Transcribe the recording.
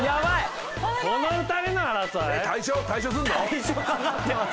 退所かかってます